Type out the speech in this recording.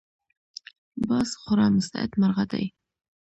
باز خورا مستعد مرغه دی